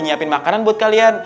nyiapin makanan buat kalian